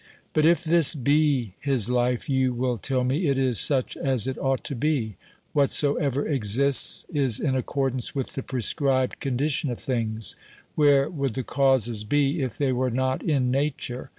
But if this be his Ufe, you will tell me, it is such as it ought to be ; whatsoever exists is in accordance with the prescribed condition of things ; where would the causes be if they were not in Nature